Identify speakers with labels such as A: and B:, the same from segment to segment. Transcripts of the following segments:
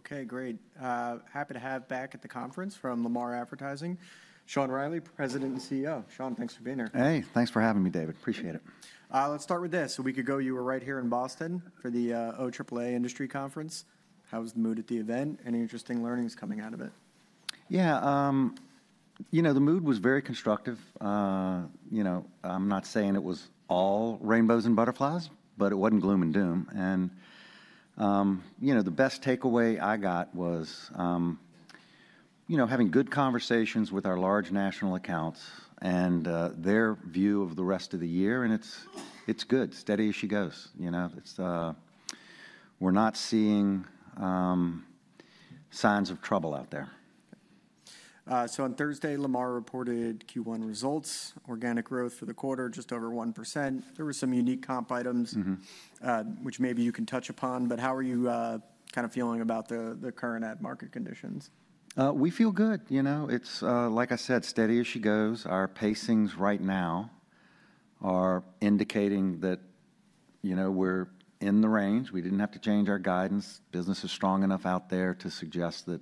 A: Okay, great. Happy to have back at the conference from Lamar Advertising, Sean Reilly, President and CEO. Sean, thanks for being here.
B: Hey, thanks for having me, David. Appreciate it.
A: Let's start with this. We could go you were right here in Boston for the OAAA Industry Conference. How was the mood at the event? Any interesting learnings coming out of it?
B: Yeah, you know, the mood was very constructive. You know, I'm not saying it was all rainbows and butterflies, but it wasn't gloom and doom. You know, the best takeaway I got was, you know, having good conversations with our large national accounts and their view of the rest of the year. It's good, steady as she goes. You know, we're not seeing signs of trouble out there.
A: On Thursday, Lamar reported Q1 results, organic growth for the quarter just over 1%. There were some unique comp items, which maybe you can touch upon. How are you kind of feeling about the current ad market conditions?
B: We feel good. You know, it's, like I said, steady as she goes. Our pacings right now are indicating that, you know, we're in the range. We didn't have to change our guidance. Business is strong enough out there to suggest that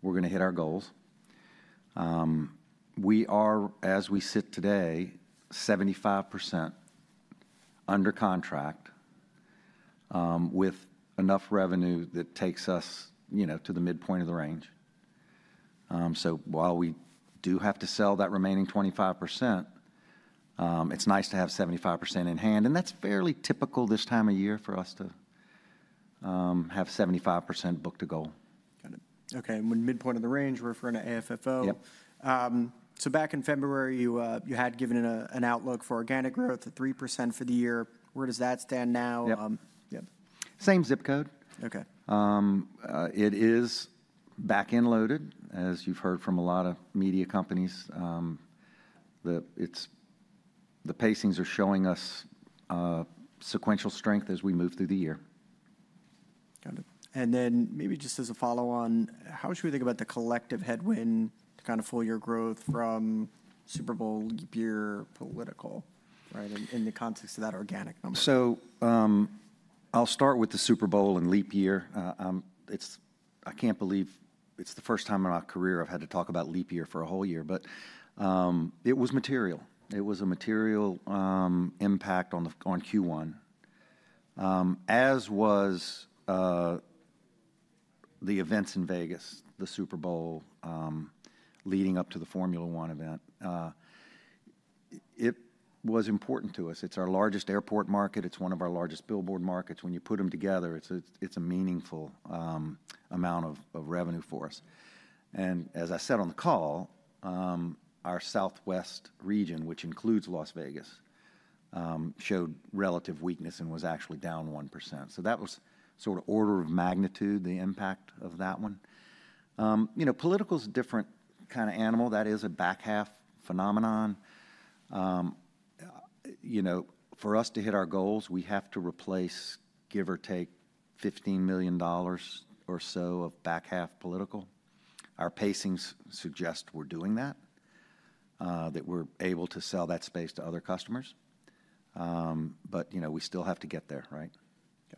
B: we're going to hit our goals. We are, as we sit today, 75% under contract with enough revenue that takes us, you know, to the midpoint of the range. While we do have to sell that remaining 25%, it's nice to have 75% in hand. That's fairly typical this time of year for us to have 75% book to goal.
A: Got it. Okay. And when midpoint of the range, we're referring to AFFO.
B: Yep.
A: Back in February, you had given an outlook for organic growth at 3% for the year. Where does that stand now?
B: Yep. Same zip code.
A: Okay.
B: It is back-end loaded, as you've heard from a lot of media companies. The pacings are showing us sequential strength as we move through the year.
A: Got it. Maybe just as a follow-on, how should we think about the collective headwind to kind of full year growth from Super Bowl, leap year, political, right, in the context of that organic number?
B: I'll start with the Super Bowl and leap year. I can't believe it's the first time in my career I've had to talk about leap year for a whole year. It was material. It was a material impact on Q1, as were the events in Vegas, the Super Bowl leading up to the Formula One event. It was important to us. It's our largest airport market. It's one of our largest billboard markets. When you put them together, it's a meaningful amount of revenue for us. As I said on the call, our southwest region, which includes Las Vegas, showed relative weakness and was actually down 1%. That was sort of order of magnitude, the impact of that one. You know, political is a different kind of animal. That is a back half phenomenon. You know, for us to hit our goals, we have to replace, give or take, $15 million or so of back half political. Our pacings suggest we're doing that, that we're able to sell that space to other customers. You know, we still have to get there, right?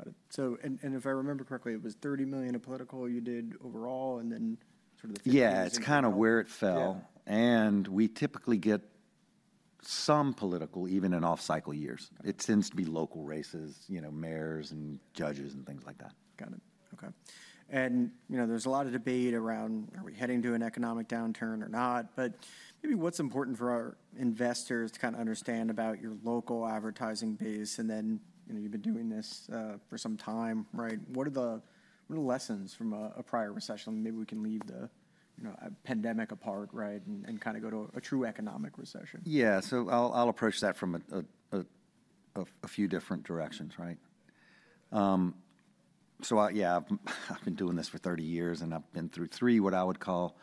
A: Got it. And if I remember correctly, it was $30 million of political you did overall, and then sort of the.
B: Yeah, it's kind of where it fell. We typically get some political, even in off-cycle years. It tends to be local races, you know, mayors and judges and things like that.
A: Got it. Okay. You know, there's a lot of debate around, are we heading to an economic downturn or not? Maybe what's important for our investors to kind of understand about your local advertising base? You know, you've been doing this for some time, right? What are the lessons from a prior recession? Maybe we can leave the, you know, pandemic apart, right, and kind of go to a true economic recession.
B: Yeah. I'll approach that from a few different directions, right? Yeah, I've been doing this for 30 years, and I've been through three what I would call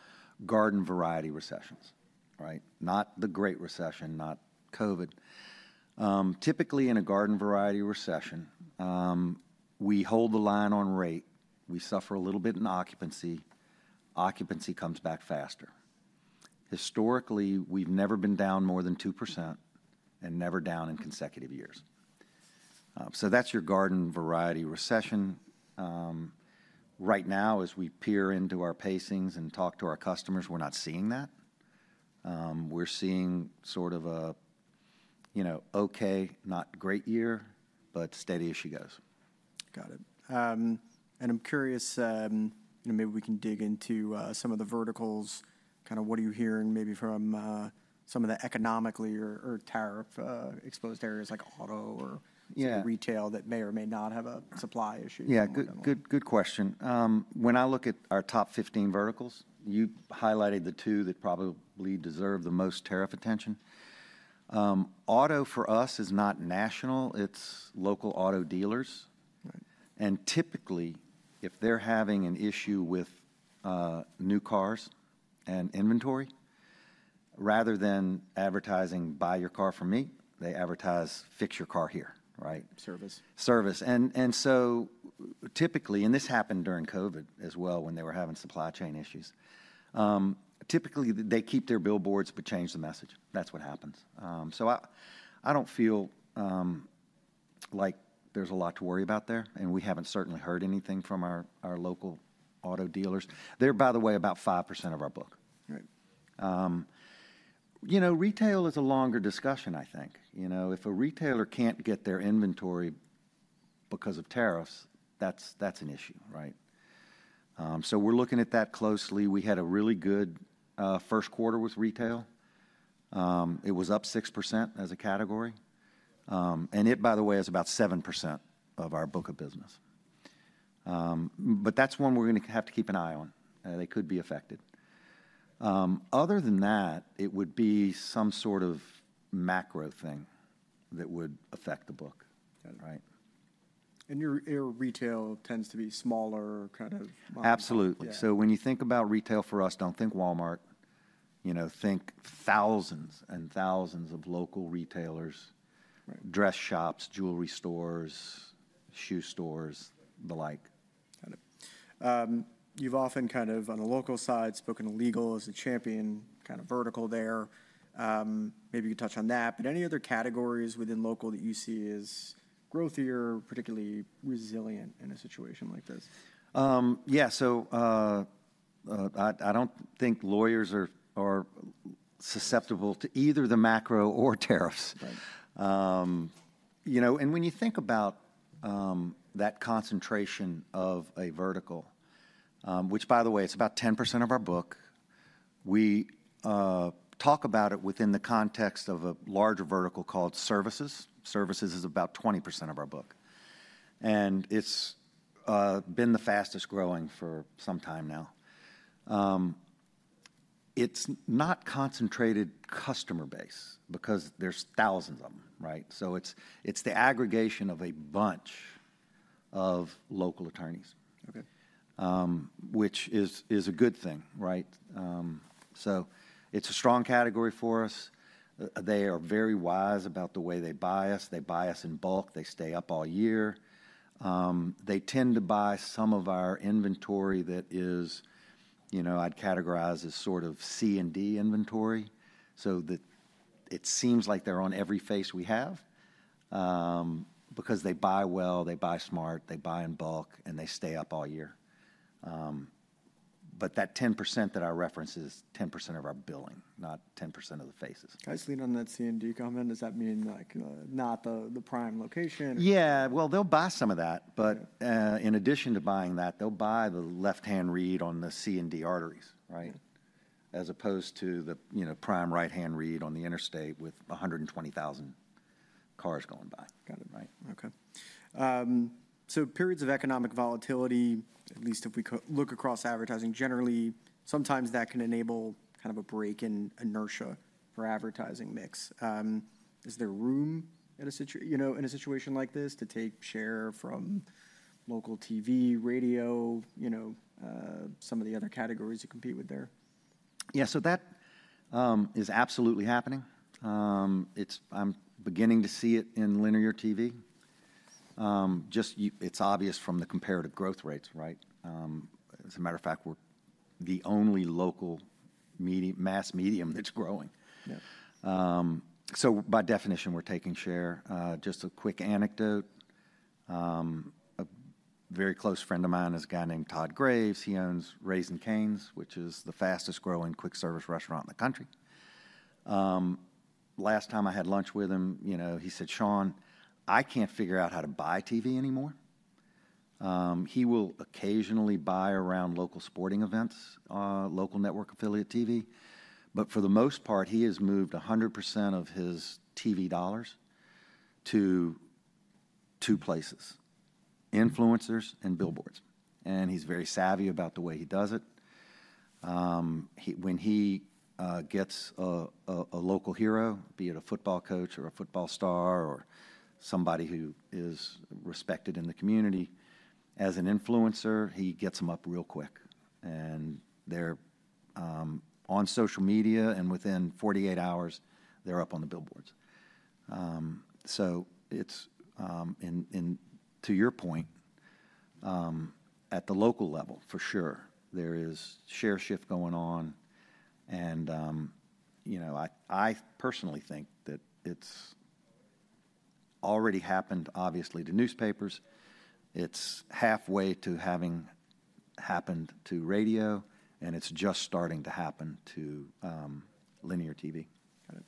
B: garden variety recessions, right? Not the great recession, not COVID. Typically, in a garden variety recession, we hold the line on rate. We suffer a little bit in occupancy. Occupancy comes back faster. Historically, we've never been down more than 2% and never down in consecutive years. That's your garden variety recession. Right now, as we peer into our pacings and talk to our customers, we're not seeing that. We're seeing sort of a, you know, okay, not great year, but steady as she goes.
A: Got it. I'm curious, you know, maybe we can dig into some of the verticals. Kind of what are you hearing maybe from some of the economically or tariff-exposed areas like auto or retail that may or may not have a supply issue?
B: Yeah, good question. When I look at our top 15 verticals, you highlighted the two that probably deserve the most tariff attention. Auto for us is not national. It's local auto dealers. And typically, if they're having an issue with new cars and inventory, rather than advertising "buy your car from me," they advertise "fix your car here," right?
A: Service.
B: Service. Typically, and this happened during COVID as well when they were having supply chain issues, typically they keep their billboards but change the message. That's what happens. I do not feel like there's a lot to worry about there. We have not certainly heard anything from our local auto dealers. They are, by the way, about 5% of our book.
A: Right.
B: You know, retail is a longer discussion, I think. You know, if a retailer can't get their inventory because of tariffs, that's an issue, right? So we're looking at that closely. We had a really good first quarter with retail. It was up 6% as a category. And it, by the way, is about 7% of our book of business. But that's one we're going to have to keep an eye on. They could be affected. Other than that, it would be some sort of macro thing that would affect the book, right?
A: Your retail tends to be smaller kind of.
B: Absolutely. When you think about retail for us, do not think Walmart. You know, think thousands and thousands of local retailers, dress shops, jewelry stores, shoe stores, the like.
A: Got it. You've often kind of, on the local side, spoken of legal as a champion kind of vertical there. Maybe you could touch on that. Any other categories within local that you see as growthier, particularly resilient in a situation like this?
B: Yeah. I do not think lawyers are susceptible to either the macro or tariffs. You know, and when you think about that concentration of a vertical, which, by the way, it is about 10% of our book, we talk about it within the context of a larger vertical called services. Services is about 20% of our book. And it has been the fastest growing for some time now. It is not a concentrated customer base because there are thousands of them, right? It is the aggregation of a bunch of local attorneys, which is a good thing, right? It is a strong category for us. They are very wise about the way they buy us. They buy us in bulk. They stay up all year. They tend to buy some of our inventory that is, you know, I'd categorize as sort of C and D inventory so that it seems like they're on every face we have because they buy well, they buy smart, they buy in bulk, and they stay up all year. That 10% that I reference is 10% of our billing, not 10% of the faces.
A: As lean on that C and D comment, does that mean like not the prime location?
B: Yeah. They'll buy some of that. In addition to buying that, they'll buy the left-hand read on the C and D arteries, right, as opposed to the, you know, prime right-hand read on the interstate with 120,000 cars going by.
A: Got it. Right. Okay. Periods of economic volatility, at least if we look across advertising generally, sometimes that can enable kind of a break in inertia for advertising mix. Is there room in a, you know, in a situation like this to take share from local TV, radio, you know, some of the other categories you compete with there?
B: Yeah. That is absolutely happening. I'm beginning to see it in linear TV. Just it's obvious from the comparative growth rates, right? As a matter of fact, we're the only local mass medium that's growing. By definition, we're taking share. Just a quick anecdote. A very close friend of mine is a guy named Todd Graves. He owns Raising Cane's, which is the fastest growing quick service restaurant in the country. Last time I had lunch with him, you know, he said, "Sean, I can't figure out how to buy TV anymore." He will occasionally buy around local sporting events, local network affiliate TV. For the most part, he has moved 100% of his TV dollars to two places: influencers and billboards. He's very savvy about the way he does it. When he gets a local hero, be it a football coach or a football star or somebody who is respected in the community as an influencer, he gets them up real quick. They're on social media, and within 48 hours, they're up on the billboards. To your point, at the local level, for sure, there is share shift going on. You know, I personally think that it's already happened, obviously, to newspapers. It's halfway to having happened to radio, and it's just starting to happen to linear TV.
A: Got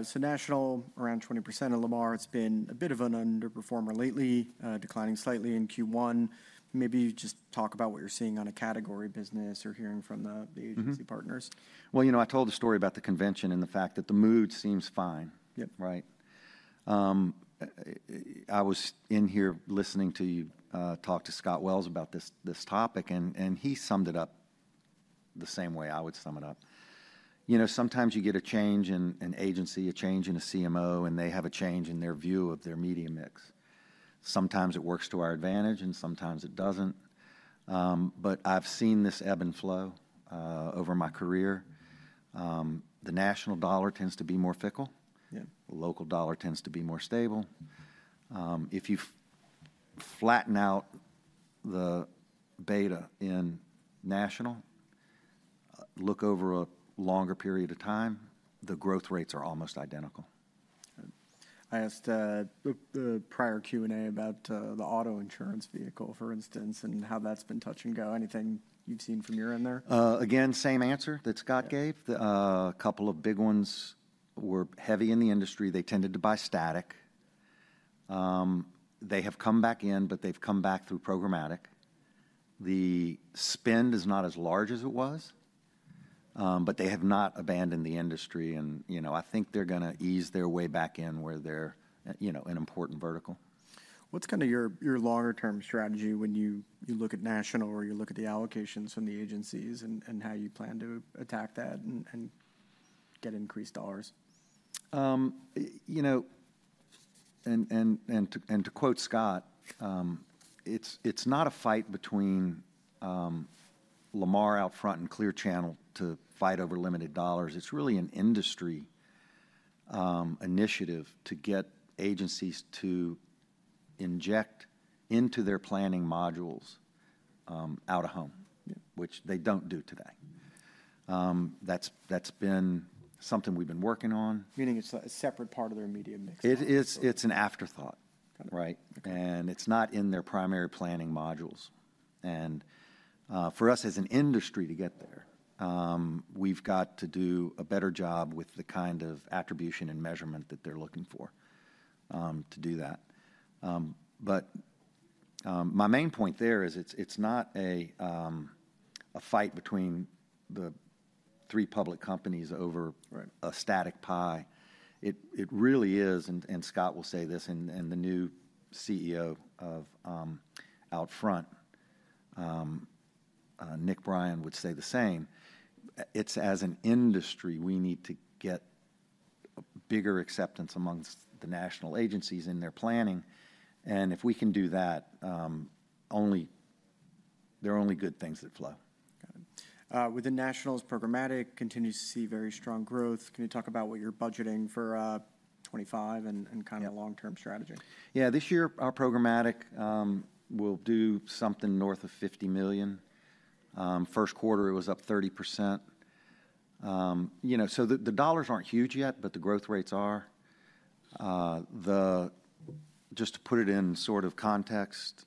A: it. So national, around 20% of Lamar. It's been a bit of an underperformer lately, declining slightly in Q1. Maybe you just talk about what you're seeing on a category business or hearing from the agency partners.
B: You know, I told the story about the convention and the fact that the mood seems fine, right? I was in here listening to you talk to Scott Wells about this topic, and he summed it up the same way I would sum it up. You know, sometimes you get a change in agency, a change in a CMO, and they have a change in their view of their media mix. Sometimes it works to our advantage, and sometimes it does not. I have seen this ebb and flow over my career. The national dollar tends to be more fickle. The local dollar tends to be more stable. If you flatten out the beta in national, look over a longer period of time, the growth rates are almost identical.
A: I asked the prior Q&A about the auto insurance vehicle, for instance, and how that's been touch and go. Anything you've seen from your end there?
B: Again, same answer that Scott gave. A couple of big ones were heavy in the industry. They tended to buy static. They have come back in, but they have come back through programmatic. The spend is not as large as it was, but they have not abandoned the industry. You know, I think they're going to ease their way back in where they're, you know, an important vertical.
A: What's kind of your longer-term strategy when you look at national or you look at the allocations from the agencies and how you plan to attack that and get increased dollars?
B: You know, and to quote Scott, it's not a fight between Lamar, Outfront, and Clear Channel to fight over limited dollars. It's really an industry initiative to get agencies to inject into their planning modules Out of Home, which they don't do today. That's been something we've been working on.
A: Meaning it's a separate part of their media mix.
B: It's an afterthought, right? It's not in their primary planning modules. For us as an industry to get there, we've got to do a better job with the kind of attribution and measurement that they're looking for to do that. My main point there is it's not a fight between the three public companies over a static pie. It really is, and Scott will say this, and the new CEO of Outfront, Nick Bryan, would say the same. As an industry we need to get bigger acceptance amongst the national agencies in their planning. If we can do that, only good things flow.
A: Got it. Within nationals, programmatic continues to see very strong growth. Can you talk about what you're budgeting for 2025 and kind of a long-term strategy?
B: Yeah. This year, our programmatic will do something north of $50 million. First quarter, it was up 30%. You know, so the dollars aren't huge yet, but the growth rates are. Just to put it in sort of context,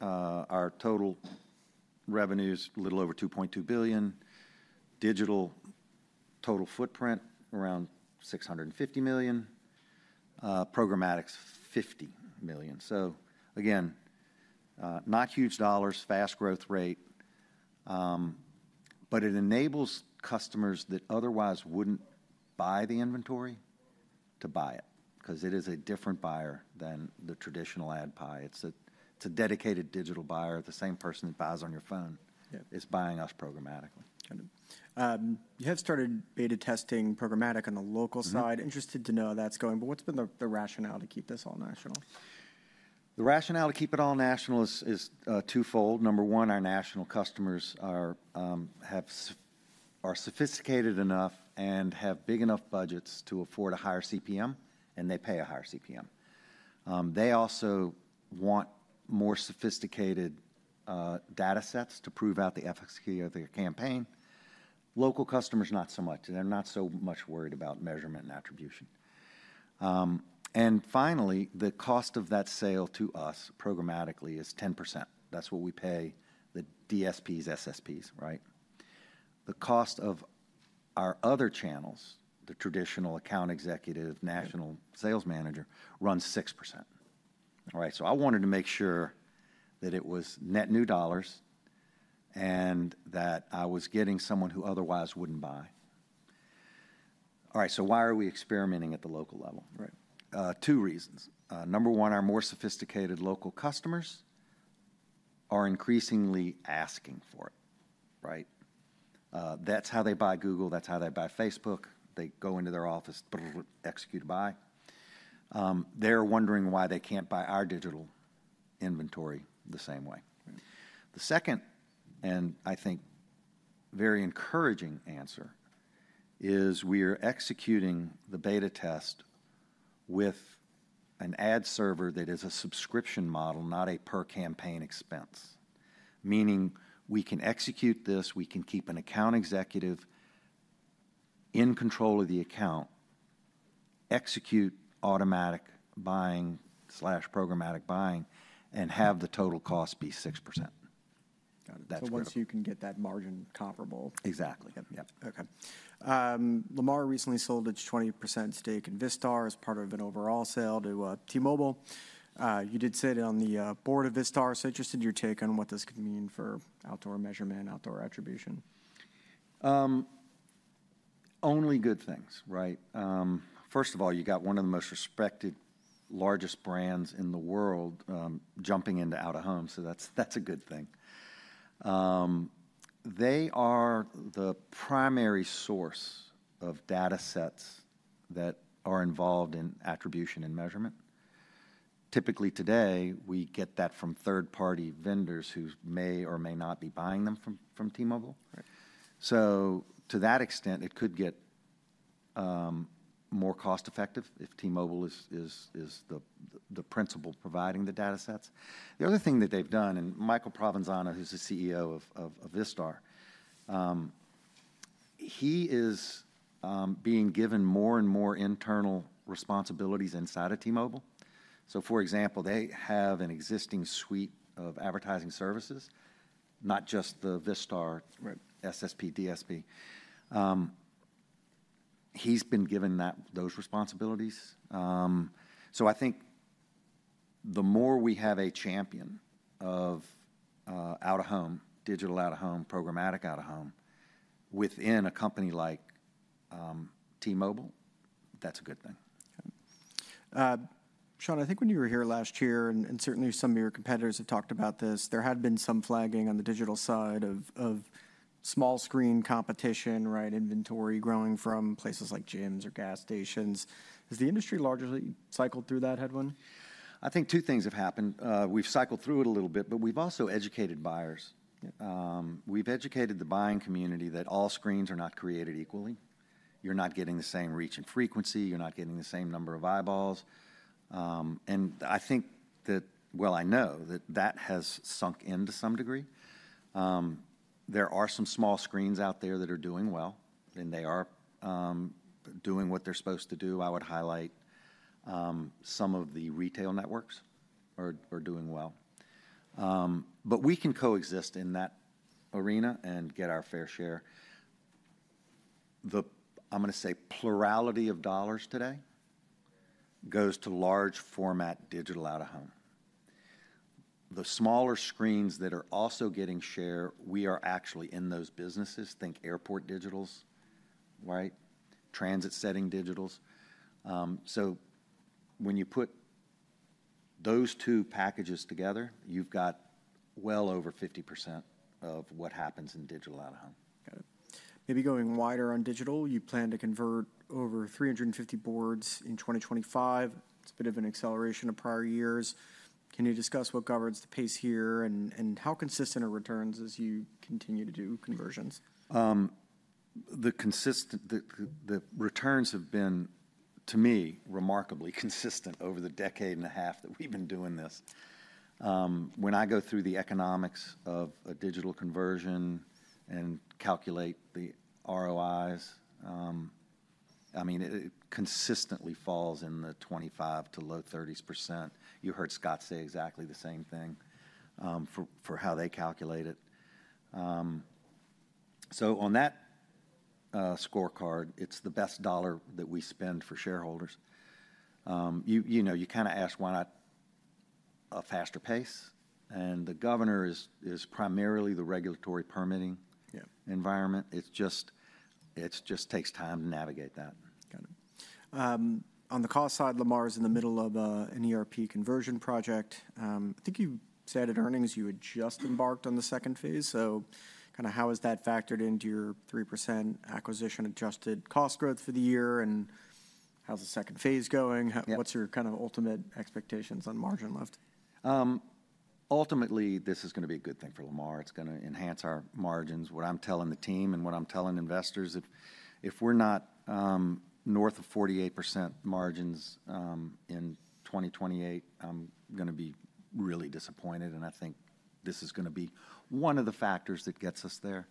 B: our total revenue is a little over $2.2 billion. Digital total footprint around $650 million. Programmatic's $50 million. Again, not huge dollars, fast growth rate. It enables customers that otherwise wouldn't buy the inventory to buy it because it is a different buyer than the traditional ad pie. It's a dedicated digital buyer. The same person that buys on your phone is buying us programmatically.
A: Got it. You have started beta testing programmatic on the local side. Interested to know how that's going. What has been the rationale to keep this all national?
B: The rationale to keep it all national is twofold. Number one, our national customers are sophisticated enough and have big enough budgets to afford a higher CPM, and they pay a higher CPM. They also want more sophisticated data sets to prove out the efficacy of their campaign. Local customers, not so much. They're not so much worried about measurement and attribution. Finally, the cost of that sale to us programmatically is 10%. That's what we pay the DSPs, SSPs, right? The cost of our other channels, the traditional account executive, national sales manager, runs 6%. All right. I wanted to make sure that it was net new dollars and that I was getting someone who otherwise wouldn't buy. All right. Why are we experimenting at the local level? Two reasons. Number one, our more sophisticated local customers are increasingly asking for it, right? That's how they buy Google. That's how they buy Facebook. They go into their office, execute a buy. They're wondering why they can't buy our digital inventory the same way. The second, and I think very encouraging answer is we are executing the beta test with an ad server that is a subscription model, not a per campaign expense. Meaning we can execute this. We can keep an account executive in control of the account, execute automatic buying/programmatic buying, and have the total cost be 6%.
A: Got it. Once you can get that margin comparable.
B: Exactly. Yep.
A: Okay. Lamar recently sold its 20% stake in Vistar as part of an overall sale to T-Mobile. You did sit on the board of Vistar. So interested in your take on what this could mean for outdoor measurement, outdoor attribution.
B: Only good things, right? First of all, you got one of the most respected, largest brands in the world jumping into Out of Home. That is a good thing. They are the primary source of data sets that are involved in attribution and measurement. Typically today, we get that from third-party vendors who may or may not be buying them from T-Mobile. To that extent, it could get more cost-effective if T-Mobile is the principal providing the data sets. The other thing that they have done, and Michael Provenzano, who's the CEO of Vistar, he is being given more and more internal responsibilities inside of T-Mobile. For example, they have an existing suite of advertising services, not just the Vistar SSP, DSP. He's been given those responsibilities. I think the more we have a champion of Out of Home, Digital Out of Home, Programmatic Out of Home within a company like T-Mobile, that's a good thing.
A: Sean, I think when you were here last year, and certainly some of your competitors have talked about this, there had been some flagging on the digital side of small-screen competition, right? Inventory growing from places like gyms or gas stations. Has the industry largely cycled through that headwind?
B: I think two things have happened. We've cycled through it a little bit, but we've also educated buyers. We've educated the buying community that all screens are not created equally. You're not getting the same reach and frequency. You're not getting the same number of eyeballs. I think that, I know that that has sunk in to some degree. There are some small screens out there that are doing well, and they are doing what they're supposed to do. I would highlight some of the retail networks are doing well. We can coexist in that arena and get our fair share. The, I'm going to say, plurality of dollars today goes to large-format digital Out of Home. The smaller screens that are also getting share, we are actually in those businesses. Think airport digitals, right? Transit-setting digitals. When you put those two packages together, you've got well over 50% of what happens in Digital Out of Home.
A: Got it. Maybe going wider on digital, you plan to convert over 350 boards in 2025. It's a bit of an acceleration of prior years. Can you discuss what governs the pace here and how consistent are returns as you continue to do conversions?
B: The returns have been, to me, remarkably consistent over the decade and a half that we've been doing this. When I go through the economics of a digital conversion and calculate the ROIs, I mean, it consistently falls in the 25%-low 30% range. You heard Scott say exactly the same thing for how they calculate it. On that scorecard, it's the best dollar that we spend for shareholders. You know, you kind of ask why not a faster pace. The governor is primarily the regulatory permitting environment. It just takes time to navigate that.
A: Got it. On the cost side, Lamar is in the middle of an ERP conversion project. I think you said at earnings you had just embarked on the second phase. How has that factored into your 3% acquisition adjusted cost growth for the year? How's the second phase going? What's your kind of ultimate expectations on margin left?
B: Ultimately, this is going to be a good thing for Lamar. It's going to enhance our margins. What I'm telling the team and what I'm telling investors, if we're not north of 48% margins in 2028, I'm going to be really disappointed. I think this is going to be one of the factors that gets us there.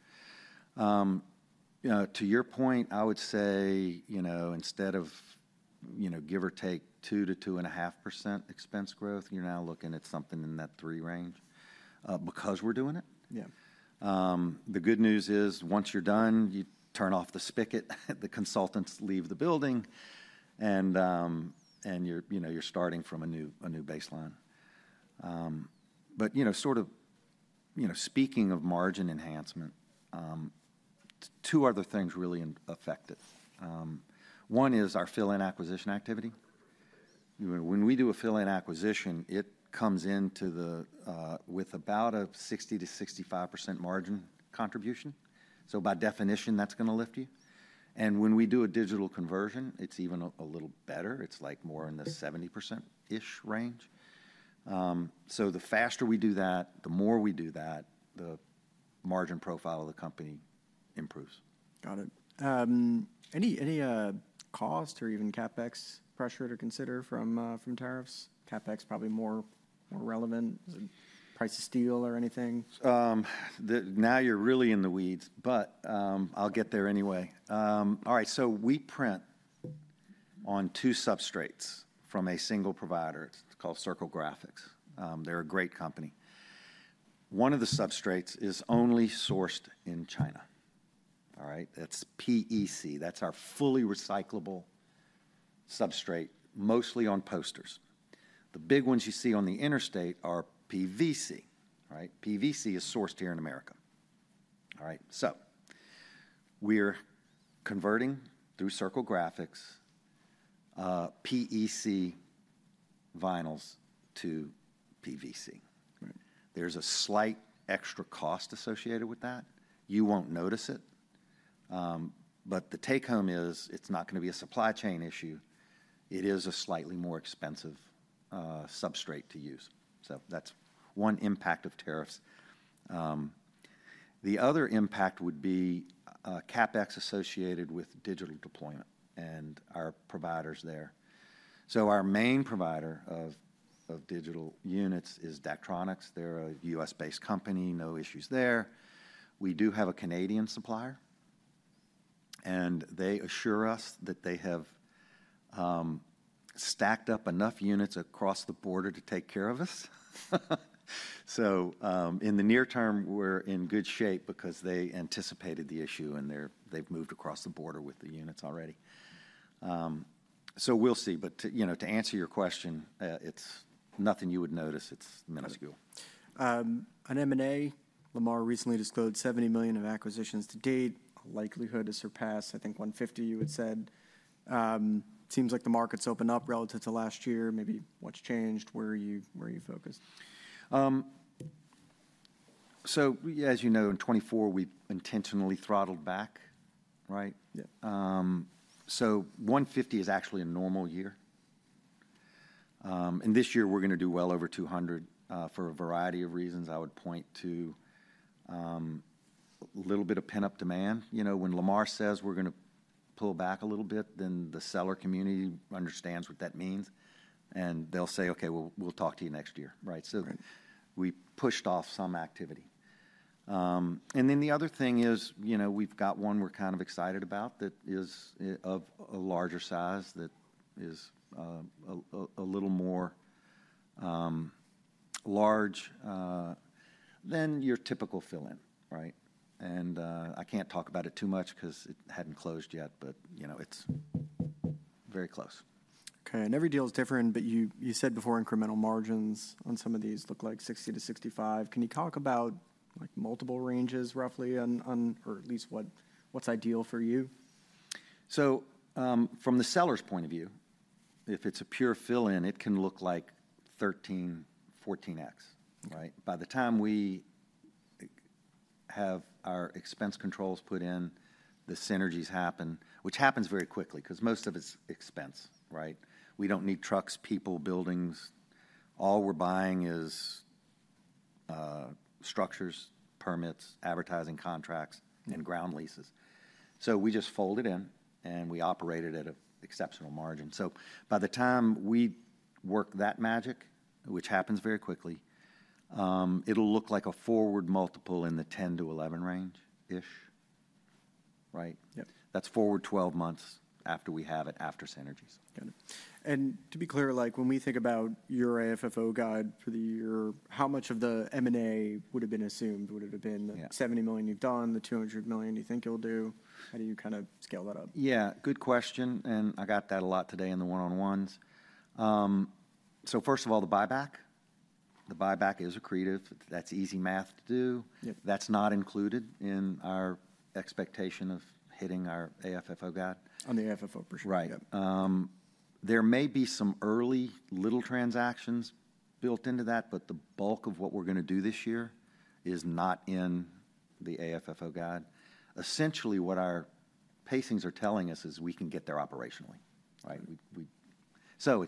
B: To your point, I would say, you know, instead of, you know, give or take 2-2.5% expense growth, you're now looking at something in that 3% range because we're doing it. The good news is once you're done, you turn off the spicket, the consultants leave the building, and you're starting from a new baseline. You know, sort of, you know, speaking of margin enhancement, two other things really affect it. One is our fill-in acquisition activity. When we do a fill-in acquisition, it comes in with about a 60-65% margin contribution. By definition, that's going to lift you. When we do a digital conversion, it's even a little better. It's like more in the 70%-ish range. The faster we do that, the more we do that, the margin profile of the company improves.
A: Got it. Any cost or even CapEx pressure to consider from tariffs? CapEx probably more relevant. Price of steel or anything?
B: Now you're really in the weeds, but I'll get there anyway. All right. We print on two substrates from a single provider. It's called Circle Graphics. They're a great company. One of the substrates is only sourced in China. All right? That's PEC. That's our fully recyclable substrate, mostly on posters. The big ones you see on the interstate are PVC. All right? PVC is sourced here in America. All right. We're converting through Circle Graphics PEC vinyls to PVC. There's a slight extra cost associated with that. You won't notice it. The take home is it's not going to be a supply chain issue. It is a slightly more expensive substrate to use. That's one impact of tariffs. The other impact would be CapEx associated with digital deployment and our providers there. Our main provider of digital units is Daktronics. They're a U.S.-based company. No issues there. We do have a Canadian supplier. They assure us that they have stacked up enough units across the border to take care of us. In the near term, we're in good shape because they anticipated the issue and they've moved across the border with the units already. We'll see. To answer your question, it's nothing you would notice. It's minuscule.
A: On M&A, Lamar recently disclosed $70 million in acquisitions to date. Likelihood to surpass, I think $150 million, you had said. Seems like the market's opened up relative to last year. Maybe what's changed? Where are you focused?
B: As you know, in 2024, we intentionally throttled back, right? $150 million is actually a normal year. This year, we're going to do well over $200 million for a variety of reasons. I would point to a little bit of pent-up demand. You know, when Lamar says we're going to pull back a little bit, then the seller community understands what that means. They'll say, "Okay, we'll talk to you next year," right? We pushed off some activity. The other thing is, we've got one we're kind of excited about that is of a larger size that is a little more large than your typical fill-in, right? I can't talk about it too much because it hasn't closed yet, but it's very close.
A: Okay. Every deal is different, but you said before incremental margins on some of these look like 60-65%. Can you talk about multiple ranges roughly on, or at least what's ideal for you?
B: From the seller's point of view, if it's a pure fill-in, it can look like 13, 14X, right? By the time we have our expense controls put in, the synergies happen, which happens very quickly because most of it's expense, right? We don't need trucks, people, buildings. All we're buying is structures, permits, advertising contracts, and ground leases. We just fold it in and we operate it at an exceptional margin. By the time we work that magic, which happens very quickly, it'll look like a forward multiple in the 10-11 range-ish, right? That's forward 12 months after we have it, after synergies.
A: Got it. To be clear, like when we think about your AFFO guide for the year, how much of the M&A would have been assumed? Would it have been the $70 million you've done, the $200 million you think you'll do? How do you kind of scale that up?
B: Yeah. Good question. I got that a lot today in the one-on-ones. First of all, the buyback. The buyback is accretive. That's easy math to do. That's not included in our expectation of hitting our AFFO guide.
A: On the AFFO perspective.
B: Right. There may be some early little transactions built into that, but the bulk of what we're going to do this year is not in the AFFO guide. Essentially, what our pacings are telling us is we can get there operationally, right? So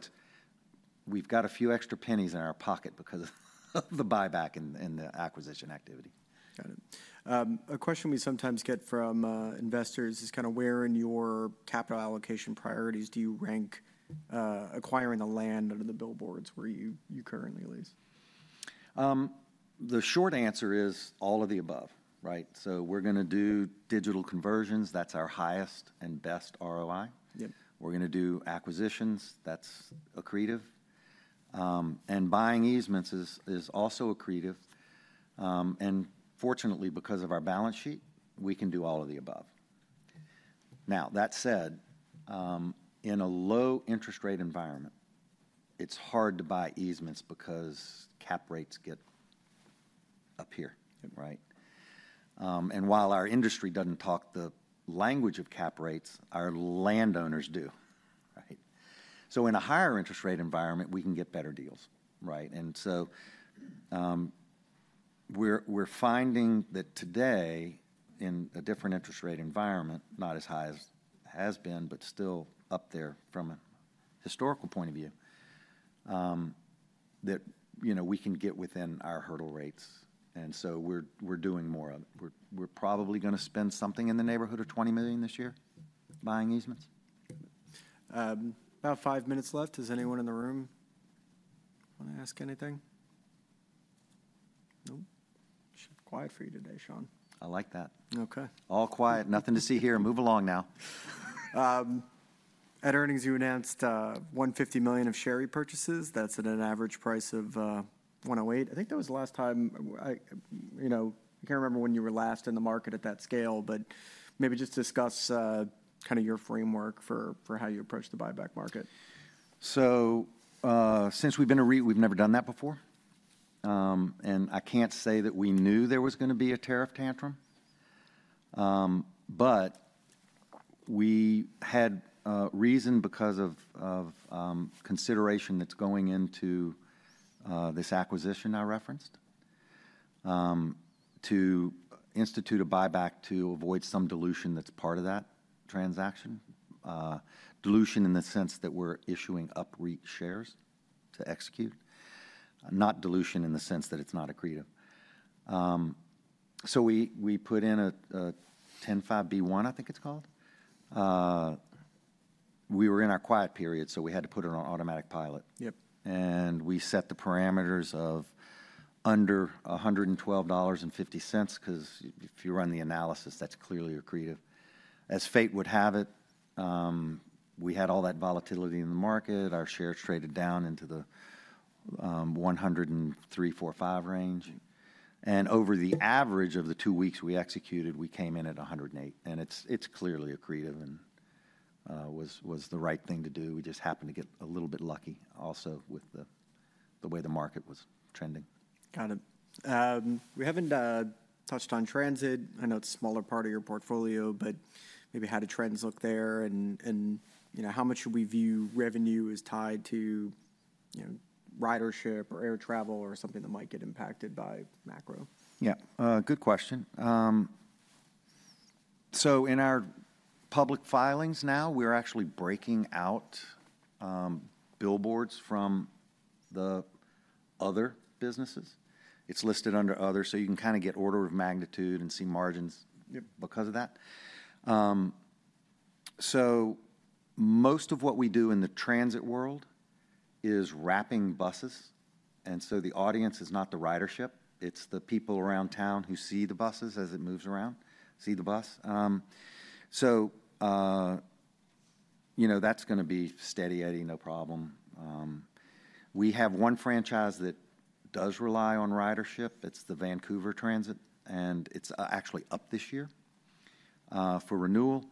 B: we've got a few extra pennies in our pocket because of the buyback and the acquisition activity.
A: Got it. A question we sometimes get from investors is kind of where in your capital allocation priorities do you rank acquiring the land under the billboards where you currently lease?
B: The short answer is all of the above, right? We're going to do digital conversions. That's our highest and best ROI. We're going to do acquisitions. That's accretive. Buying easements is also accretive. Fortunately, because of our balance sheet, we can do all of the above. That said, in a low interest rate environment, it's hard to buy easements because cap rates get up here, right? While our industry doesn't talk the language of cap rates, our landowners do, right? In a higher interest rate environment, we can get better deals, right? We're finding that today, in a different interest rate environment, not as high as it has been, but still up there from a historical point of view, that, you know, we can get within our hurdle rates. We're doing more of it. We're probably going to spend something in the neighborhood of $20 million this year buying easements.
A: About five minutes left. Does anyone in the room want to ask anything? Nope. Quiet for you today, Sean.
B: I like that.
A: Okay.
B: All quiet. Nothing to see here. Move along now.
A: At earnings, you announced $150 million of share repurchases. That's at an average price of $108. I think that was the last time. You know, I can't remember when you were last in the market at that scale, but maybe just discuss kind of your framework for how you approach the buyback market.
B: Since we've been a REIT, we've never done that before. I can't say that we knew there was going to be a tariff tantrum, but we had reason because of consideration that's going into this acquisition I referenced to institute a buyback to avoid some dilution that's part of that transaction. Dilution in the sense that we're issuing UPREIT shares to execute, not dilution in the sense that it's not accretive. We put in a 10-5B1, I think it's called. We were in our quiet period, so we had to put it on automatic pilot. We set the parameters of under $112.50 because if you run the analysis, that's clearly accretive. As fate would have it, we had all that volatility in the market. Our shares traded down into the $103.45 range. Over the average of the two weeks we executed, we came in at 108. It is clearly accretive and was the right thing to do. We just happened to get a little bit lucky also with the way the market was trending.
A: Got it. We haven't touched on transit. I know it's a smaller part of your portfolio, but maybe how do trends look there? You know, how much should we view revenue as tied to, you know, ridership or air travel or something that might get impacted by macro?
B: Yeah. Good question. In our public filings now, we're actually breaking out billboards from the other businesses. It's listed under other. You can kind of get order of magnitude and see margins because of that. Most of what we do in the transit world is wrapping buses. The audience is not the ridership. It's the people around town who see the buses as it moves around, see the bus. You know, that's going to be steady, Eddie, no problem. We have one franchise that does rely on ridership. It's the Vancouver Transit. It's actually up this year for renewal.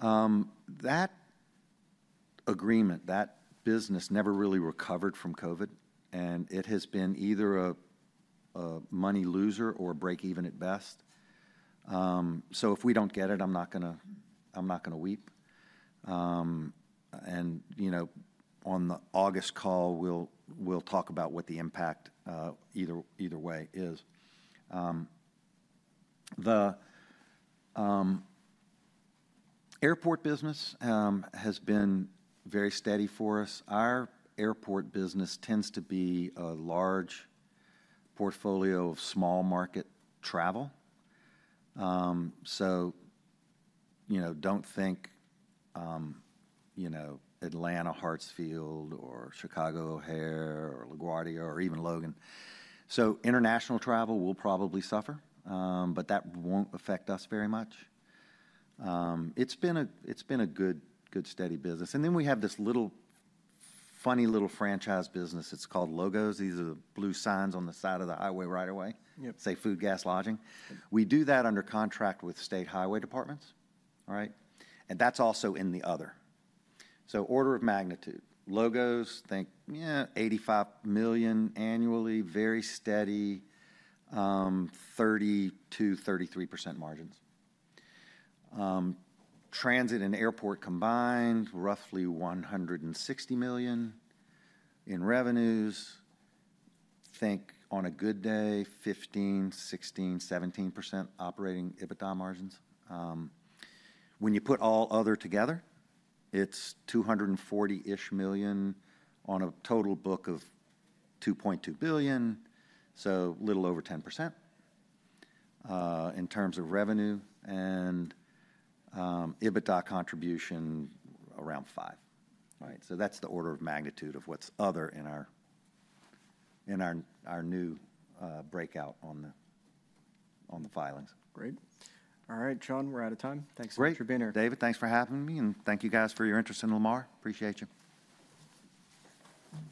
B: That agreement, that business never really recovered from COVID. It has been either a money loser or a break-even at best. If we don't get it, I'm not going to weep. You know, on the August call, we'll talk about what the impact either way is. The airport business has been very steady for us. Our airport business tends to be a large portfolio of small market travel. You know, don't think Atlanta, Hartsfield, or Chicago, O'Hare, or LaGuardia, or even Logan. International travel will probably suffer, but that won't affect us very much. It's been a good, steady business. We have this funny little franchise business. It's called Logos. These are the blue signs on the side of the highway right away that say food, gas, lodging. We do that under contract with state highway departments, right? That's also in the other. Order of magnitude, Logos, think, yeah, $85 million annually, very steady, 30%-33% margins. Transit and airport combined, roughly $160 million in revenues. Think on a good day, 15-17% operating EBITDA margins. When you put all other together, it is $240 million-ish on a total book of $2.2 billion. So a little over 10% in terms of revenue. And EBITDA contribution around 5%, right? So that is the order of magnitude of what is other in our new breakout on the filings.
A: Great. All right, Sean, we're out of time. Thanks for being here.
B: Great. David, thanks for having me. Thank you guys for your interest in Lamar. Appreciate you.